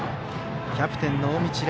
キャプテンの大道蓮。